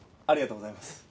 ありがとうございます。